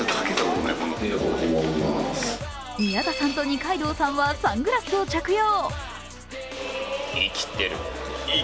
宮田さんと二階堂さんはサングラスを着用。